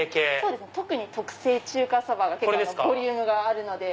特に特製中華蕎麦が結構ボリュームがあるので。